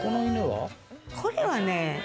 これはね。